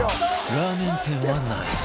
ラーメン店はない